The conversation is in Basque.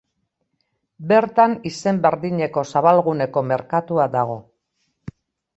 Bertan izen berdineko Zabalguneko merkatua dago.